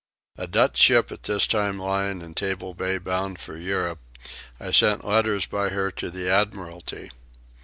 A Dutch ship at this time lying in Table Bay bound for Europe, I sent letters by her to the Admiralty.